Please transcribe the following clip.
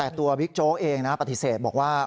แต่ตัวบิ๊กโจ๊กเองนะปฏิเสธบอกว่า